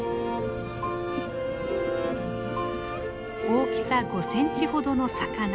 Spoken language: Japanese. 大きさ５センチほどの魚。